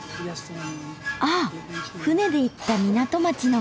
ああ船で行った港町の。